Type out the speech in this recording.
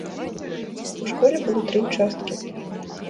У школе было тры ўчасткі.